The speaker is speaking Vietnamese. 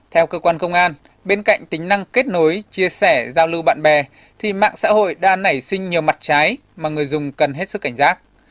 theo cơ quan công an bên cạnh tính năng kết nối chia sẻ giao lưu bạn bè thì mạng xã hội đã nảy sinh nhiều mặt trái mà người dùng cần hết sức cảnh giác